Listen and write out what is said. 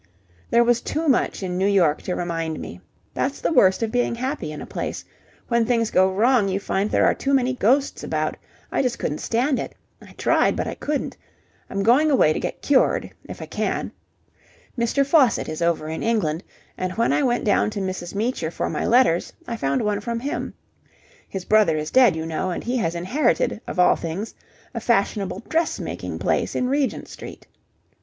"There was too much in New York to remind me. That's the worst of being happy in a place. When things go wrong you find there are too many ghosts about. I just couldn't stand it. I tried, but I couldn't. I'm going away to get cured if I can. Mr. Faucitt is over in England, and when I went down to Mrs. Meecher for my letters, I found one from him. His brother is dead, you know, and he has inherited, of all things, a fashionable dress making place in Regent Street.